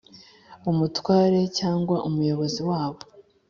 umutware cyangwa umuyobozi wabo